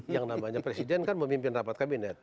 yang namanya presiden kan memimpin rapat kabinet